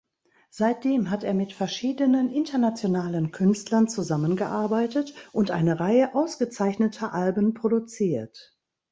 Seitdem hat er mit verschiedenen internationalen Künstlern zusammengearbeitet und eine Reihe ausgezeichneter Alben produziert.